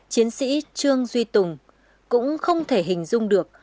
chiến sĩ trương duy tùng cũng không thể hình dung được